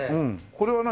これは何？